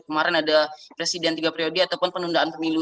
kemarin ada presiden tiga periode ataupun penundaan pemilu